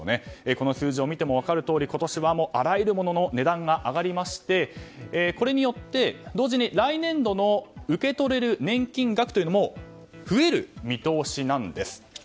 この数字を見ても分かるとおり今年はあらゆるものの値段が上がりましてこれによって、同時に来年度の受け取れる年金額というのも増える見通しなんです。